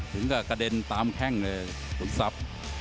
ถึงก็กระเด็นตามแข้งสับ